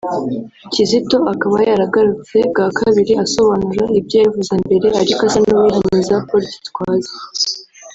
Kizito akaba yaragarutse bwa kabiri asobanura ibyo yari yavuze mbere ariko asa n’uwihaniza Paul Gitwaza